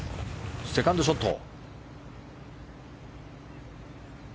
セカンドショット。